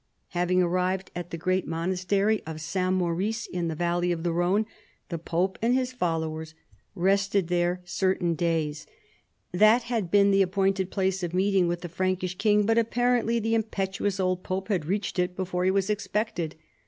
Having arrived at the great monastery of St. Maurice, in the valley of the Rhone, the pope and his followers rested there certain days. That had been the appointed place of meeting with the Frankish king, but apparently the impetuous old pope had reached it before he was expected.